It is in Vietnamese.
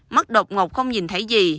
mắt độc ngột không nhìn thấy gì